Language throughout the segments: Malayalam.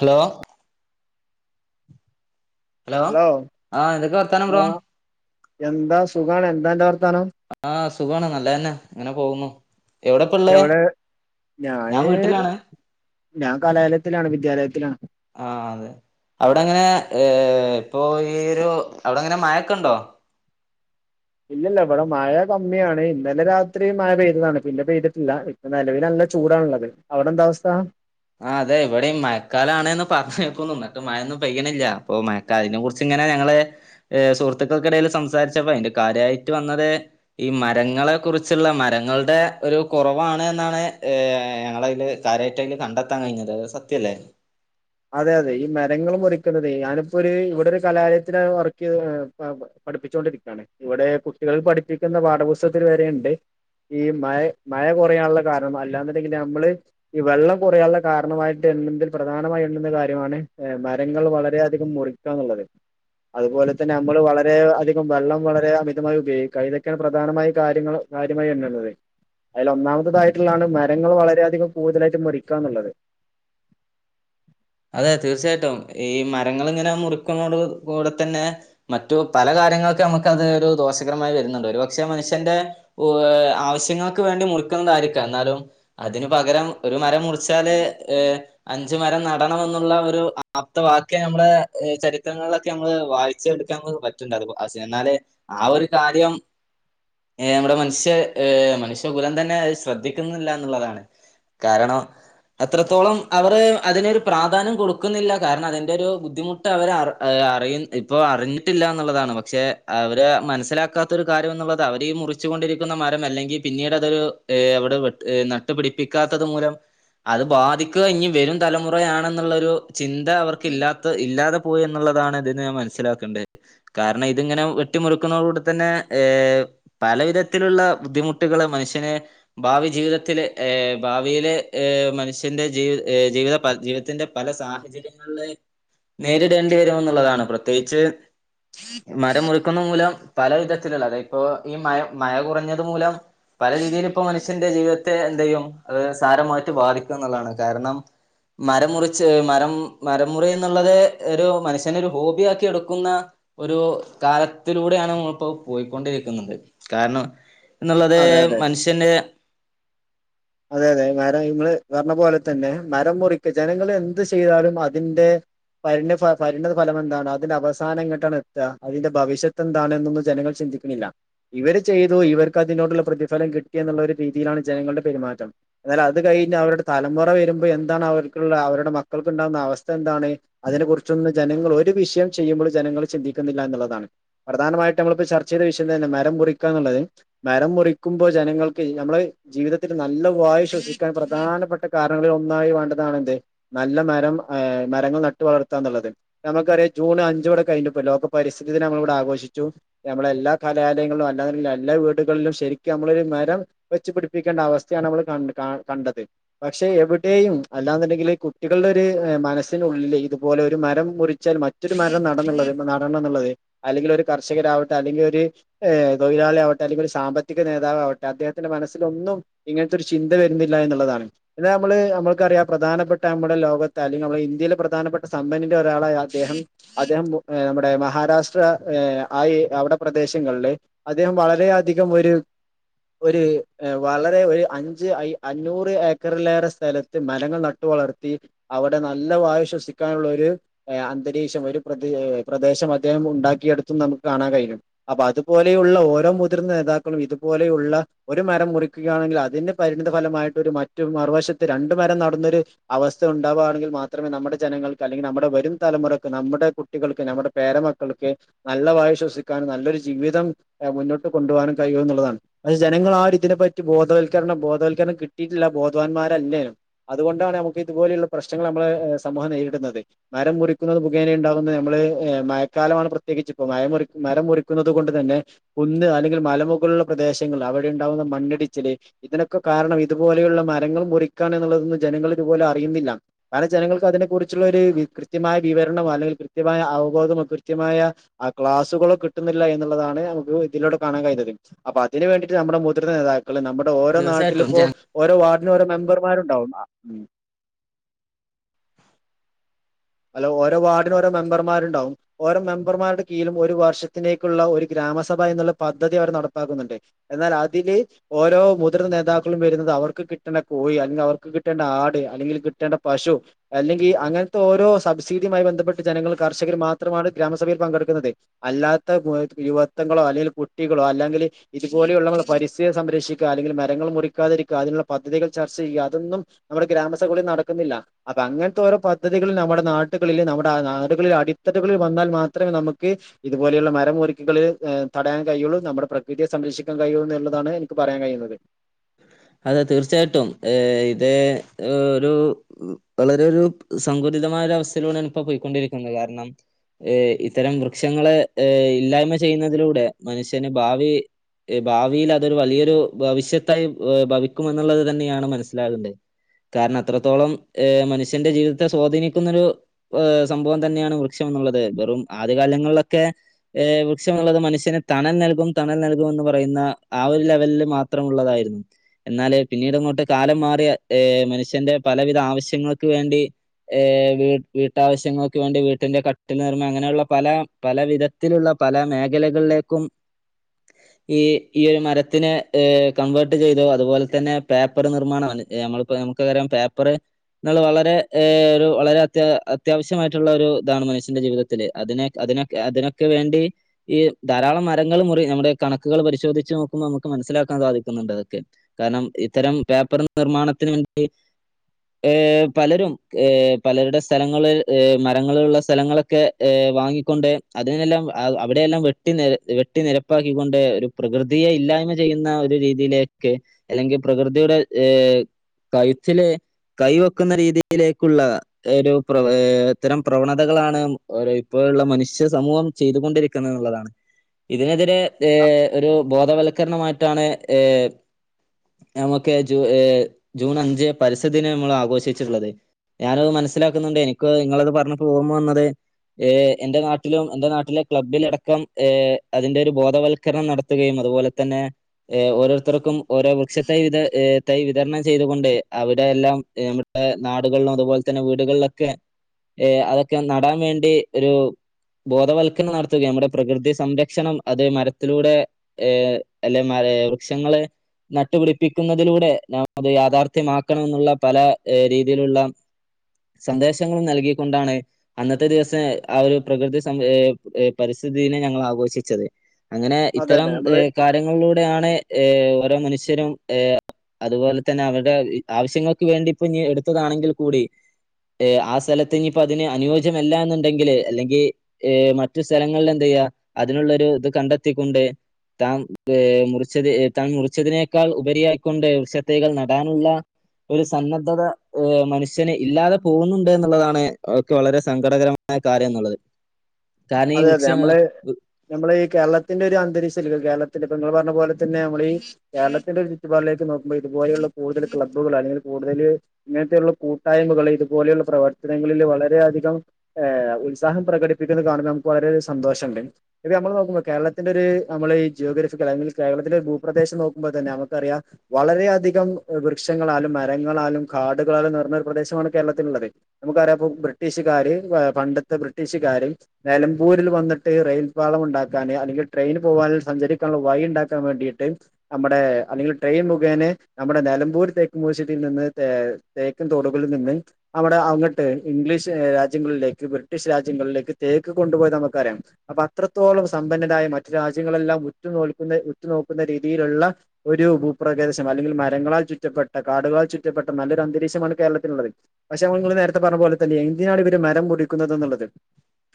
ഹലോ ഹലോ ആഹ് എന്തൊക്കെ വർത്താനം ബ്രോ ആഹ് എന്താ സുഖാണ് എന്താന്റെ വർത്താനം ആഹ് സുഖാണ് നല്ലതന്നെ ഇങ്ങനെ പോകുന്നു എവിടെപ്പള്ളേ എവിടെ ഞാൻ ഞാന് വീട്ടിലാണ് ഞാൻ കലാലയത്തിലാണ് വിദ്യാലയത്തിലാണ് ആഹ് അതെ അവിടെങ്ങനെ ഏഹ് ഇപ്പോ ഈ ഒരു അവിടെങ്ങനെ മഴക്കുണ്ടോ? ഇല്ലല്ല ഇവിടെ മഴ കമ്മിയാണ് ഇന്നലെ രാത്രി മഴ പെയ്തതാണ് പിന്നെ പെയ്തിട്ടില്ല ഇപ് പ്പ നിലവിൽ നല്ല ചൂടാള്ളത് അവിടെ എന്താ അവസ്ഥ? ആഹ് അതെ ഇവിടെ ഈ മഴക്കാല ആണന്ന് പറഞ്ഞേഹ്ക്കുന്നു എന്നിട്ട് മഴയൊന്നും പെയ്യണില്ല അപ്പൊ മ അതിനെ കുറിച്ച് ഇങ്ങനെ ഞങ്ങള് ഏഹ് സുഹൃത്തുക്കൾക്കിടയിൽ സംസാരിച്ചപ്പോ അതിന്റെ കാര്യമായിട്ട് വന്നത് ഈ മരങ്ങളെ കുറിച്ചുള്ള മരങ്ങളുടെ ഒരു കുറവാണ് എന്നാണ് ഏഹ് ഞങ്ങളയ്ല് കാര്യമായിട്ടതിൽ കണ്ടെത്താൻ കഴിഞ്ഞത് അത് സത്യല്ലേ? അതെ അതെ ഈ മരങ്ങളും മുറിക്കുന്നതേ ഞാനിപ്പോ ഒരു ഇവിടെ ഒരു കലാലയത്തില് വർക്ക് ചെയ്തിരുന്നത് പഠിപ്പിച്ചുകൊണ്ടിരിക്കുകയാണ് ഇവിടെ കുട്ടികൾ പഠിപ്പിക്കുന്ന പാഠപുസ്തകത്തിൽ വരെണ്ട് ഈ മഴ മഴ കുറയാനുള്ള കാരണം അല്ലാന്നുണ്ടെങ്കിൽ നമ്മള് ഈ വെള്ളം കുറയാനുള്ള കാരണമായിട്ട് എന്തെങ്കിൽ പ്രധാനമായി ക്കുന്ന കാര്യമാണ് മരങ്ങൾ വളരെയധികം മുറിക്കാന്നുള്ളത് അതുപോലെ തന്നെ നമ്മള് വളരെ അധികം വെള്ളം വളരെ അമിതമായി ഉപയോഗിക്ക ഇതൊക്കെയാണ് പ്രധാനമായ കാര്യങ്ങള് കാര്യമായി എന്നുള്ളത് അതിൽ ഒന്നാമത്തതായിട്ടുള്ളാണ് മരങ്ങൾ വളരെയധികം കൂടുതലായിട്ട് മുറിക്കുക എന്നുള്ളത് അതെ തീർച്ചയായിട്ടും ഈ മരങ്ങള് ഇങ്ങനെ മുറിക്കുന്നോട് കൂടെ തന്നെ മറ്റു പല കാര്യങ്ങൾക്ക നമുക്ക് അത് ഒരു ദോഷകരമായി വരുന്നുണ്ട് ഒരുപക്ഷെ മനുഷ്യന്റെ ആവശ്യങ്ങൾക്ക് വേണ്ടി മുറിക്കുന്നതായിരിക്കും എന്നാലും അതിന് പകരം ഒരു മരം മുറ ചാല് അഞ്ച മരം നട പണംെന്നുള്ള ഒരു ആപ്ത വാക്യം നമ്മുടെ ചരിത്രങ്ങളിലൊക്കെ നമ്മള് വായിച്ച എടുക്കാ പറ്റ എന്നല് ആ ഒരു കാര്യം ഏഹ് നമ്മുടെ മനുഷ്യ ഏഹ് മനുഷ്യകുലം തന്നെ അത് ശ്രദ്ധിക്കുന്നില്ല എന്നുള്ളതാണ് കാരണം അത്രത്തോളം അവർ അതിനരു പ്രാധാന്യം കൊടുക്കുന്നില്ല കാരണം അതിൻന്റെറെ ഒരു ബുദ്ധിമുട്ട് അവർ അ ഇപ്പോൾ അറിഞ്ഞിട്ടില്ല എന്നുള്ളതാണ് പക്ഷെ അവര് മനസ്സിലാക്കാത്തൊ ഒരു കാര്യം എന്നുള്ളത് അവര് ഈ മുറിച്ചുക കൊണ്ടിരിക്കുന്ന മരം അല്ലെങ്കിൽ പിന്നീട് അതൊരു അവിടെ നട്ടുപ പിടിപ്പിക്കാത്തത് മൂലം അത് ബാധിക്കുക ഇനി വരും തലമുറ കുറെയാണെന്നുള്ള ഒരു ചിന്ത അവർക്ക് ഇല്ലാത്ത ഇല്ലാതെ പോയി എന്നുള്ളതാണ് ഇതിന് ഞാൻ മനസ്സിലാക്കേണ്ടത് കാരണം ഇതിങ്ങനെ വെട്ടിമുറുക്കുന്നതോട കൂടെ തന്നെ ഏഹ് പല വിധത്തിലുള്ള ബുദ്ധിമുട്ടുകള് മനുഷ്യനെ ഭാവി ജീവിതത്തില ഭാവിയിലെ മനുഷ്യന്റെ ജീവി ജീവിതം ജീവിതത്തിന്റെ പല സാഹചര്യങ്ങളില് നേരിടേണ്ടി വരുമന്നുള്ളതാണ് പ്രത്യേകിച്ച് മരം മുറിക്കുന്ന മൂലം പല വിധത്തിലുള്ള അതായ ഇപ്പോ ഈ മഴ മഴ കുറഞ്ഞത് മൂലം പല രീതിയിൽ ഇപ്പോ മനുഷ്യന്റെ ജീവിത എന്തയ്യും അത് സാരമായിട്ട് ബാധിക്കും എന്നുള്ളതാണ് കാരണം മരമുറിച്ച് മരം മരമുറി എന്നുള്ളത് ഒരു മനുഷ്യന ഒരു ഹോബി ആക്കി എടുക്കുന്ന ഒരു കാലത്തിലൂടെയാണ് നമ്മപ്പോ പോയ്ക്കൊണ്ടിരിക്കുന്നത് കാരണം എന്നുള്ളത് അതെ അതെ മനുഷ്യന്റെ അതെ അതെ മരം ഇങ്ങൾ പറഞ്ഞ പോലെ തന്നെ മരം മുറക്ക് ജനങ്ങൾ എന്ത് ചെയ്താലും അതിന്റെ പതിന്റെ ഭരിണിതഫലം എന്താണ് അതിന്റെ അവസാനങ്ങോട്ടാണ് എത്ത. അതിന്റെ ഭവിഷ്യത്ത് എന്താണ്ണെന്നൊന്നും ജനങ്ങൾ ചിന്തിക്ക ക്കണില്ല. ഇവര് ചെയ്തു ഇവർക്ക് അതിനോടുള്ള പ്രതിഫലം കിട്ടി എന്നുള്ള ഒരു രീതിയിലാണ് ജനങ്ങളുടെ പെരുമാറ്റം. എന്നാൽ അത് കഴിഞ്ഞ് അവരുടെ തലമുറ വരുമ്പോ എന്താണ് അവർക്കുള്ള അവരുടെ മക്കൾക്ക്ണ്ടാവുന്ന അവസ്ഥ എന്താണ്. അതിനെ കുറിച്ചൊന്നും ജനങ്ങൾ ഒരു വിഷയം ചെയ്യുമ്പോൾ ജനങ്ങൾ ചിന്തിക്കുന്നില്ല എന്നുള്ളതാണ്. പ്രധാനമായിട്ട് നമ്മളിപ്പോ ചർച്ച ചെയ്ത വിഷയം തന്നെ മരം മുറിക്ക എന്നുള്ളത്. മരം മുറിക്കുമ്പോ ജനങ്ങൾക്ക് നമ്മളെ ജീവിതത്തിൽ നല്ല. വായി ശ്വസിക്കാൻ പ്രധാനപ്പെട്ട കാരണങ്ങളിൽ ഒന്നായി വേണ്ടതാണ് എന്ത്? നല്ല മരം മരങ്ങൾ നട്ടു വളർത്താ എന്നുള്ളത്. നമുക്കറിയാം ജൂൺ അഞ്ചിവിടെ കഴിഞ്ഞിട്ട്പ്പോ ലോക പരിസ്ഥിതിദിനം നമ്മളിടെ ആഘോഷിച്ചു. ഞമ്മളെ എല്ലാ കലാലയങ്ങളിലും അല്ലാ എല്ലാ വീടുകളിലും ശരിക്കും നമ്മളൊരു മരം. വെച്ചു പിടിപ്പിക്കേണ്ട അവസ്ഥയാണ് നമ്മള് ക കണ്ടത്. പക്ഷെ എവിടെയും അല്ലാെന്നുണ്ടെങ്കില് കുട്ടികളുടെ ഒരു മനസ്സിനുള്ളിൽ ഇതുപോലെ ഒരു മരം മുറിച്ചാൽ മ മറ്റൊരു മരം നടന്നുള്ളത് ഇപ്പം നടണം എന്നുള്ളത് അല്ലെങ്കിൽ ഒരു കർഷകരാവട്ടെ അല്ലെങ്കി ഒര്. ഏഹ് തൊഴിലാളി ആവട്ടെ അല്ലെങ്കി ഒരു സാമ്പത്തിക നേതാവട്ടെദ്ദേഹത്തിന്റെ മനസ്സിലൊന്നും. അങ്ങത്തെ ഒരു ചിന്ത വരുന്നില്ല എന്നുള്ളതാണ്. എന്നാ നമ്മള് നമ്മൾക്കറിയാം പ്രധാനപ്പെട്ട നമ്മുടെ ലോകത്ത് അല്ലെങ്കി നമ്മുടെ ഇന്ത്യയിലെ പ്രധാനപ്പെട്ട സമ്പന്നന്റെ ഒരാളായി അദ്ദേഹം. അദ്ദേഹം നമ്മുടെ മഹാരാഷ്ട്ര ആ അവിടെ പ്രദേശങ്ങളില്. അദ്ദേഹം വളര അധികം ഒര്, ഒര് വളരെ ഒര്. അഞ്ച് അ അഞ്ഞൂറ് ഏക്കറിലേറെ സ്ഥലത്ത് മരങ്ങൾ നട്ടു വളർത്തി. അവിടെ നല്ല വായു ശ്വസിക്കാനുള്ള ഒര്. അന്തരീക്ഷം ഒരു പ്ര പ്രദേശം അദ്ദേഹം ഉണ്ടാക്കിയെടുത്തും നമുക്ക് കാണാൻ കഴിഞ്ഞും. അപ്പൊ അതുപോലെയുള്ള ഓരോ മുതിർന്ന നേതാക്കളും ഇതുപോലെയുള്ള ഒരു മരം മുറിക്കുകയാണെങ്കില് അ അതിന്റെ പരിണിത ഫലമായിട്ട് ഒരു മറ്റു മറുവശത്ത് രണ്ട് മരം നടന്നൊരു. അവസ്ഥ ഉണ്ടാവുആണെങ്കിൽ മാത്രമേ നമ്മുടെ ജനങ്ങൾക്ക് അല്ലെങ്കി നമ്മുടെ വരും തലമുറയ്ക്ക് നമ്മുടെ കു കുട്ടികൾക്ക് ഞമ്മുടെ പേരമക്കൾക്ക്. നല്ല വായു ശ്വസിക്കാനും നല്ലൊരു ജീവിതം മുന്നോട്ട് കൊണ്ടുപോകാനും കഴിയുന്നുള്ളതാണ്. അത് ജനങ്ങളാരു ഇതിനെപ്പറ്റി ബോധവൽക്കരണം, ബോധവൽക്കരണം കിട്ടിയിട്ടില്ല ബോധവാന്മാരല്ലേനു. അതുകൊണ്ടാണ് നമുക്ക് ഇതുപോലെയുള്ള പ്രശ്നങ്ങൾ നമ്മള് സമൂഹം നേരിടുന്നത്. മരം മുറിക്കുന്നത് മുഖേന ഉണ്ടാകുന്നത് നമ്മള് മഴക്കാലമാണ് പ്രത്യേകിച്ച് ഇപ്പ മഴ മരം മുറിക്കുന്നത് കൊണ്ട് തന്നെ. കുന്ന് അല്ലെങ്കിൽ മലമുകളിലുള്ള പ്രദേശങ്ങൾ അവിടെ ഉണ്ടാവുന്ന മണ്ണിടിച്ചില്. ഇതിനൊക്കെ കാരണം ഇതുപോലെയുള്ള മരങ്ങൾ മുറിക്കാന്ള്ളതൊന്നും ജനങ്ങളിതുപോലെ അറിയുന്നില്ല. കണം ജനങ്ങൾക്ക് അതിനെ കുറിച്ചുള്ള ഒരു കൃത്യമായ വിവരണമോ അല്ലെങ്കിൽ കൃത്യമായ അവബോധമോ കൃത്യമായ. ആ ക്ലാസ്സുകളോ കിട്ടുന്നില്ല എന്നുള്ളതാണ് നമുക്ക് ഇതിലൂടെ കാണാൻ കഴിയുന്നതും. അപ്പൊ അതിന് വേണ്ടിട്ട് നമ്മുടെ മുതിർന്ന നേതാക്കള് നമ്മു ഓരോ തീർച്ചയായിട്ടും നാട്ടിലിപ്പോ ജന ഓരോ വാർഡിന്ഓരോ മെമ്പർമാരുണ്ടാവും. ആ ഹലോ ഓരോ വാർഡിന് ഓരോ മെമ്പർമാരുണ്ടാവും. ഓരോ മെമ്പർമാരുടെ കീഴും ഒരു വർഷത്തിനേക്കുള്ള ഒരു ഗ്രാമസഭ എന്നുള്ള പദ്ധതി അവർ നടപ്പാക്കുന്നുണ്ട്. എന്നാലതില്. ഓരോ മുതിർന്ന നേതാക്കളും വരുന്നത് അവർക്ക് കിട്ടേണ്ട കോഴി അല്ലെങ്കി അവർക്ക് കിട്ടേണ്ട ആട് അല്ലെങ്കിൽ കിട്ടേണ്ട പശു. അല്ലെങ്കി അങ്ങനത്തെ ഓരോ സബ്സിഡിയുമായി ബന്ധപ്പെട്ട് ജനങ്ങൾ കർഷകർ മാത്രമാണ് ഗ്രാമസഭയിൽ പങ്കെടുക്കുന്നത്. അല്ലാത്ത യുവത്തൊങ്ങളോ അല്ലെങ്കില് കുട്ടികളോ അല്ലെങ്കില്. ഇതുപോലെയുള്ള നമ്മൾ പരിസ്ഥിതി സംരക്ഷിക്കുക അല്ലെങ്കിൽ മരങ്ങൾ മുറിക്കാതിരിക്കുക അതിനുള്ള പദ്ധതികൾ ചർച്ച ചെയ്യുക അതൊന്നും. നമ്മുടെ ഗ്രാമസഭകളിൽ നടക്കുന്നില്ല അപ്പൊ അങ്ങനത്തെ ഓരോ പദ്ധതികളും നമ്മുടെ. നാട്ടുകളില് നമ്മുടെ ആ നാടുകളില് അടിത്തട്ട്കളിൽ വന്നാൽ മാത്രമേ നമുക്ക്. ഇതുപോലെയുള്ള മരംമുറിക്കുകളിൽ തടയാൻ കഴിയുള്ളൂ. നമ്മുടെ പ്രകൃതിയെ സംരക്ഷിക്കാൻ കഴിയുള്ളൂ എന്നുള്ളതാണ് എനിക്ക് പറയാൻ കഴിയുന്നത്. അതെ തീർച്ചയായിട്ടും ഏഹ് ഇത് ഒരു വളരെയൊരു സങ്കുചിതമായൊരു അവസ്ഥയിലൂടെയാണ്പ്പോ പോയ്ക്കൊണ്ടിരിക്കുന്നത് കാരണം ഏഹ് ഇത്തരം വൃക്ഷങ്ങള് ഏഹ് ഇല്ലായ്മ ചെയ്യുന്നതിലൂടെ മനുഷ്യന് ഭാവി ഭാവിയിലതൊരു വലിയൊരു ഭവിഷ്യത്തായി ഭവിക്കുമെന്നുള്ളത് തന്നെയാണ് മനസ്സിലാവ്ണ്ട് കാരണം അത്രത്തോളം ഏഹ് മനുഷ്യന്റെ ജീവിതത്തെ സ്വാധീനിക്കുന്നൊരു ഏഹ് സംഭവം തന്നെയാണ് വൃക്ഷംമെന്നുള്ളത് വെറും ആദ്യ കാലങ്ങളിലൊക്കെ ഏഹ് വൃക്ഷമുള്ളത് മനുഷ്യന് തണൽ നൽകും തണൽ നൽകും എന്ന് പറയുന്ന ആ ഒരു ലെവലില് മാത്രമുള്ളതായിരുന്നു എന്നാല് പിന്നീടങ്ങോട്ട് കാലം മാറിയ ഏഹ് മനുഷ്യന്റെ പലവിധ ആവശ്യങ്ങൾക്ക് വേണ്ടി ഏഹ് വ് വീട്ടാവശ്യങ്ങൾക്ക് വേണ്ടി വീട്ടിന്റെ കട്ടിൽ നിർമ്മാണ് അങ്ങനെയുള്ള പല പല വിധ ത്തിലുള്ള പല മേഖലകളിലേക്കും ഈ ഈയൊരു മരത്തിനെ ഏഹ് കൺവേർ ട്ട് ചെയ്തു അതുപോലെ തന്നെ പേപ്പർ നിർമ്മാണമാണ് നമ്മളിപ്പോ നമുക്കറിയാം പേപ്പറ് എന്ന്ള്ളെ വളരെ ഒരു വളരെ അത് അത്യാവശ്യമായിട്ടുള്ള ഒരു ഇതാണ് മനുഷ്യന്റെ ജീവിതത്തി ല് അതിനെ അതിനൊക്കെ വേണ്ടി ഈ ധാരാളം മരങ്ങൾ മുറി നമ്മുടെ കണക്കുകൾ പരിശോധിച്ച് നോക്കുമ്പോ നമുക്ക് മനസിലാക്കാൻ സാധിക്കുന്നുണ്ട് അതൊക്കെ ‌ കാരണം ഇത്തരം പേപ്പർ നിർമ്മാണത്തിന് വേണ്ടി ഏഹ് പലരും ഏഹ് പലരുടെ സ്ഥലങ്ങള് മരങ്ങള് ള്ള സ്ഥലങ്ങളൊക്കെ ഏഹ് വാങ്ങിക്കൊണ്ട് അതിനെല്ലാം അവിടെയെല്ലാം വെട്ടി വെട്ടി നിരപ്പാക്കിക്കൊണ്ട് ഒരു പ്രകൃതിയെ ഇല്ലായ്മ ചെയ്യുന്ന ഒരു രീതിയിലേക്ക് അല്ലെങ്കി പ്രകൃതിയുടെ ഏ കഴുത്തില് കൈ വെക്കുന്ന രീതിയിലേക്കുള്ള ഒരു പ്ര ഇത്തരം പ്രവണതകളാണ് ഓരോ ഇപ്പോഴുള്ള മനുഷ്യ സമൂഹം ചെയ്തുകൊണ്ടിരിക്കുന്നത് എന്നുള്ളതാണ് ഇതിനെതിരെ ഏഹ് ഒരു ബോധവൽക്കരണമായിട്ടാണ് ഏഹ് നമുക്ക് ജൂ ഏ ജൂൺ അഞ്ച് പരസ്ഥി ദിനം നമ്മൾ ആഘോഷിച്ചിട്ടുള്ളത് ഞാനത് മനസ്സിലാക്കുന്നുണ്ട് എനിക്കത് നിങ്ങളത് പറഞ്ഞപ്പോ ഓർമവന്നത് ഏ് എന്റെ നാട്ടിലും എന്റെ നാട്ടിലെ ക്ലബ്ബിലടക്കം ഏഹ് അതിന്റൊരു ബോധവൽ രണം നടത്തുകയും അതുപോലെ തന്നെ ഓരോരുത്തർക്കും ഓരോ വ്യക്ഷ തൈ വി തൈയ് വിതരണം ചെയ്തുകൊണ്ട് അവിടെയെല്ലാം നമ്മുടെ നാടുകളിലും അതുപോലെ ന്നെ വീടുകളിലൊക്കെ ഏഹ് അതൊക്കെയൊന്ന് നടാൻ വേണ്ടി ഒരു ബോധവൽക്കരണം നടത്തുകയും നമ്മുടെ പ്രകൃതി സംരക്ഷണം അത് മരത്തിലൂടെ ഏഹ് അല്ലെ മര വൃക്ഷങ്ങള് നട്ടുപിടിപ്പിക്കുന്നതിലൂടെ നാം അത് യാഥാർത്ഥ്യമാക്കണമെന്നുള്ള പല രീതിയിലുള്ള സന്ദേശങ്ങളും നൽകിക്കൊണ്ടാണ് അന്നത്തെ ദിവസം ആ ഒരു പ്രകൃതി സം ഏഹ് പരിസ്ഥിതി ദിനം ഞങ്ങളാഘോഷിച്ചത് അങ്ങനെ അതെ ഇത്തരം അതെ നമ്മള് ഏഹ് കാര്യങ്ങളിലൂടെയാണ് ഏഹ് ഓരോ മനുഷ്യരും ഏഹ് അതുപോലെത്തന്നെ അവരുടെ ആവശ്യങ്ങൾക്ക് വേണ്ടിപ്പിഞ് എടുത്തതാണെങ്കി കൂടി ഏഹ് ആ സ്ഥലത്ത് ഇഞ്പ്പോ അതിന് അനുയോജ്യമല്ലാന്ന്ണ്ടെങ്കില് അല്ലെങ്കി ഏഹ് മറ്റു സ്ഥലങ്ങളിലെന്തെയ്യ അതിനുള്ളൊരു ഇത് കണ്ടെത്തിക്കൊണ്ട് താൻ ഏഹ് മുറിച്ചത് ഏഹ് താൻ മുറിച്ചതിനെ ക്കാൾ ഉപരിയായിക്കൊണ്ട് വൃക്ഷത്തൈകൾ നടാനുള്ള ഒരു സന്നദ്ധത ഏഹ് മനുഷ്യന് ഇല്ലാതെ പോകുന്നുണ്ട്ന്നുള്ളതാണ് ഇക്ക് വളരെ സങ്കടകരമായ കാര്യംന്നുള്ളത് അതെയതെ നമ്മള് നമ്മളെയീ കേരളത്തിന്റൊരു അന്തരീക്ഷല്ലൊരു കേരളത്തിന്റെ ഇപ്പെങ്ങള് പറഞ്ഞ പോലെത്തന്നെ നമ്മളീ കേരളത്തിന്റൊരു ചുറ്റുപാടിലേക്ക് നോക്കുമ്പൊ ഇതുപോലെയുള്ള കൂടുതല് ക്ലബ്ബുകള് അല്ലെങ്കില് കൂടുതല് ഇങ്ങനത്തെയുള്ള കൂട്ടായ്മകള് ഇതുപോലെയുള്ള പ്രവർത്തനങ്ങളില് വളരെയധികം ഏഹ് ഉത്സാഹം പ്രകടിപ്പിക്കുന്നത് കാണുമ്പോ നമുക്ക് വളരെയധികം സന്തോഷം ഉണ്ട് ഇത് നമ്മള് നോക്കുമ്പൊ കേരളത്തിന്റെ ഒര് നമ്മളീ ജിയോഗ്രഫിക്കൽ ഐ മീൻ കേരളത്തിലെ ഒരു ഭൂപ്രദേശം നോക്കുമ്പോൾ തന്നെ നമുക്കറിയാം വളരെയധികം വൃക്ഷങ്ങളാലും മരങ്ങളാലും കാടുകളാലും നിറഞ്ഞൊരു പ്രദേശമാണ് കേരളത്തിലുള്ളത് നമുക്കറിയാം ഇപ്പൊ ബ്രിട്ടീഷുകാര് പണ്ടത്തെ ബ്രിട്ടീഷുകാര് നെലമ്പൂരിൽ വന്നിട്ട് റെയിൽപ്പാളം ഉണ്ടാക്കാന് അല്ലെങ്കിൽ ട്രെയിന് പോകാനും സഞ്ചരിക്കാനുള്ള വഴി ഉണ്ടാക്കാൻ വേണ്ടിയിട്ട് നമ്മുടെ അല്ലെങ്കിൽ ട്രെയിൻ മുഖേനെ നമ്മുടെ നെലമ്പൂർ തേക്ക് മ്യൂസിയത്തിൽ നിന്ന് തേ തേക്കും തോടുകളിൽ നിന്ന് അവിടെ അങ്ങട്ട് ഇംഗ്ലീഷ് രാജ്യങ്ങളിലേക്ക് ബ്രിട്ടീഷ് രാജ്യങ്ങളിലേക്ക് തേക്ക് കൊണ്ടുപോയത് നമുക്കറിയാം അപ്പ അത്രത്തോളം സമ്പന്നരായ മറ്റ് രാജ്യങ്ങളെല്ലാം ഉറ്റുനോൽക്കുന്ന ഉറ്റുനോക്കുന്ന രീതിയിലുള്ള ഒരു ഭൂപ്രദേശം അല്ലെങ്കിൽ മരങ്ങളാൽ ചുറ്റപ്പെട്ട കാടുകളാൽ ചുറ്റപ്പെട്ട നല്ലൊര് അന്തരീക്ഷമാണ് കേരളത്തിനുള്ളത് പക്ഷെ നമ്മൾ ഇങ്ങനെ നേരത്തെ പറഞ്ഞ പോലെ തന്നെ എന്തിനാണിവര് മരം മുറിക്കുന്നത് എന്നുള്ളത്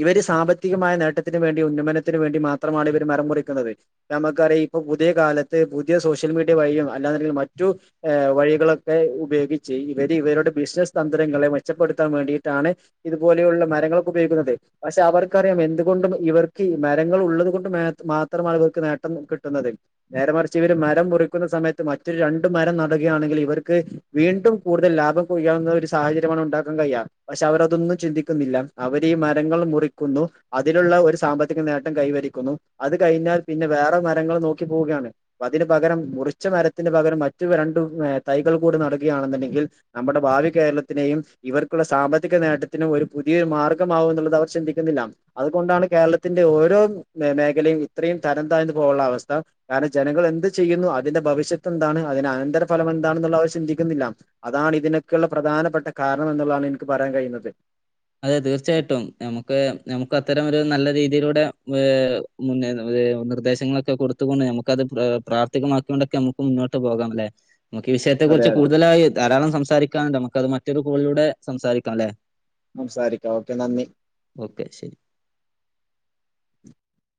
ഇവര് സാമ്പത്തികമായ നേട്ടത്തിന് വേണ്ടി ഉന്നമനത്തിന് വേണ്ടി മാത്രമാണ് ഇവര് മരം മുറിക്കുന്നത് നമക്കറിയാം ഇപ്പൊ പുതിയ കാലത്ത് പുതിയ സോഷ്യൽ മീഡിയ വഴിയും അല്ലാന്നുണ്ടെങ്കിൽ മറ്റു ഏ വഴികളൊക്കെ ഉപയോഗിച്ച് ഇവര് ഇവരുടെ ബിസിനസ് തന്ത്രങ്ങളെ മെച്ചപ്പെടുത്താൻ വേണ്ടിയിട്ടാണ് ഇതുപോലെയുള്ള മരങ്ങളൊക്കെ ഉപയോഗിക്കുന്നത് പക്ഷെ അവർക്കറിയാം എന്തുകൊണ്ടും ഇവർക്ക്‌ ഈ മരങ്ങളുള്ളത് കൊണ്ട് മേത് മാത്രമാണ് ഇവർക്ക് നേട്ടം കിട്ടുന്നത് നേരെ മറിച്ച് ഇവര് മരം മുറിക്കുന്ന സമയത്ത് മറ്റൊരു രണ്ടു മരം നടുകയാണെങ്കിൽ ഇവർക്ക് വീണ്ടും കൂടുതൽ ലാഭം കൊയ്യാവുന്ന ഒരു സാഹചര്യമാണ് ഉണ്ടാക്കാൻ കഴിയാ പക്ഷേ അവര് അതൊന്നും ചിന്തിക്കുന്നില്ല അവരീ മരങ്ങള് മുറിക്കുന്നു അതിലുള്ള ഒരു സാമ്പത്തിക നേട്ടം കൈവരിക്കുന്നു അത് കയിഞ്ഞാൽ പിന്നെ വേറെ മരങ്ങള് നോക്കി പോവുകയാണ് അപ്പൊ അതിന് പകരം മുറിച്ച മരത്തിന് പകരം മറ്റു രണ്ട് തൈകൾ കൂടെ നടുകയാണെന്നുണ്ടെങ്കിൽ നമ്മുടെ ഭാവി കേരളത്തിനെയും ഇവർക്കുള്ള സാമ്പത്തിക നേട്ടത്തിനും ഒരു പുതിയ മാർഗമാവുന്നുള്ളത് ഇത് അവർ ചിന്തിക്കുന്നില്ല അത്കൊണ്ടാണ് കേരളത്തിന്റെ ഓരോ മേഖലയും ഇത്രയും തരം താഴ്ന്ന് പോകാനുള്ള അവസ്ഥ കാരണം ജനങ്ങളെന്ത് ചെയ്യുന്നു അതിന്റെ ഭവിഷ്യത്ത് എന്താണ് അതിന് അനന്തര ഫലമെന്താണെന്നുള്ളത് അവർ ചിന്തിക്കുന്നില്ല അതാണ് ഇതിനൊക്കെയുള്ള പ്രധാനപ്പെട്ട കാരണം എന്നുള്ളതാണെനിക്ക് പറയാൻ കയ്യുന്നത് അതെ തീർച്ചയായിട്ടും നമുക്ക് നമുക്ക് അത്തരം ഒരു നല്ല രീതിയിലൂടെ ഏഹ് മുന്നേ നിർദ്ദേശങ്ങളൊക്കെ കൊടുത്തുകൊണ്ട് നമുക്കത് പ്രാവർത്തികം ആക്കിക്കൊണ്ടൊക്കെ നമുക്ക് മുന്നോട്ട് പോകാം അല്ലേ നമുക്ക് ഈ വിഷയത്തെക്കുറിച്ച് അതെ കൂടുതലായി ധാരാളം സംസാരിക്കാനുണ്ട് നമുക്കത് മറ്റൊരു കോളിലൂടെ സംസാരിക്കാം അല്ലെ സംസാരിക്കാം ഓക്കെ നന്ദി ഓക്കെ ശെരി